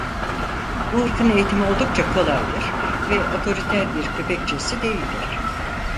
Bu ırkın eğitimi oldukça kolaydır ve otoriter bir köpek cinsi değildir.